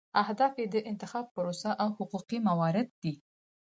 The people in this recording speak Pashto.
اهداف یې د انتخاب پروسه او حقوقي موارد دي.